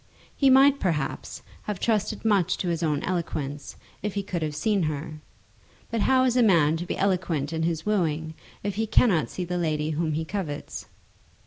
He might, perhaps, have trusted much to his own eloquence if he could have seen her; but how is a man to be eloquent in his wooing if he cannot see the lady whom he covets?